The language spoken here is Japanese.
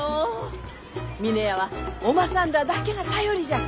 峰屋はおまさんらあだけが頼りじゃ。